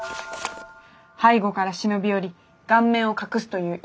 背後から忍び寄り顔面を隠すといういたずら。